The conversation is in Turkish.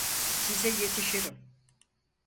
Size yetişirim.